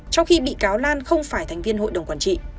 trong khi bị cáo lan không phải thành viên hội đồng quản trị